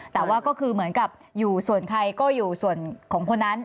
แต่ว่าก็คือเหมือนกับอยู่ส่วนใครก็อยู่ส่วนของคนนั้น